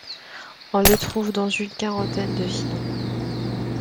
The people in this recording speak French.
On le retrouve dans une quarantaine de films.